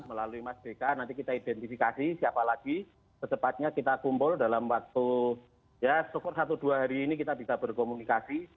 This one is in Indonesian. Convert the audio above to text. melalui mas bk nanti kita identifikasi siapa lagi secepatnya kita kumpul dalam waktu ya syukur satu dua hari ini kita bisa berkomunikasi